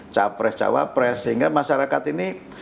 capres cawapres sehingga masyarakat ini